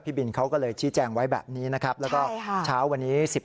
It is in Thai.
พี่บิลเขาก็เลยชี้แจ้งไว้แบบนี้นะครับแล้วก็จ้าววันนี้๑๐โมงครึ่ง